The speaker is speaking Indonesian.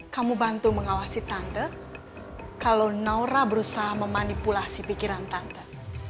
kamu bantu mengawasi tante kalau naura berusaha memanipulasi pikiran tante